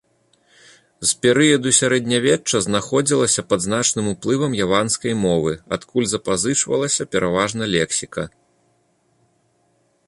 З перыяду сярэднявечча знаходзілася пад значным уплывам яванскай мовы, адкуль запазычвалася пераважна лексіка.